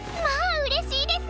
うれしいですわ。